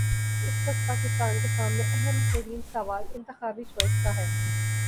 اس وقت پاکستان کے سامنے اہم ترین سوال انتخابی چوائس کا ہے۔